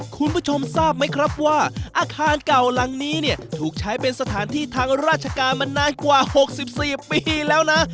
คุณผู้ชมทราบไหมครับว่าอาคารเก่าหลังนี้เนี่ยถูกใช้เป็นสถานที่ทางราชการมานานกว่า๖๔ปีแล้วนะ